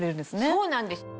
そうなんです。